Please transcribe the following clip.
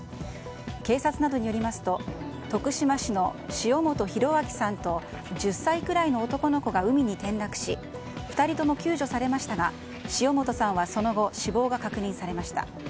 警察などによりますと徳島市の塩本浩章さんと１０歳くらいの男の子が海に転落し２人とも救助されましたが塩本さんはその後死亡が確認されました。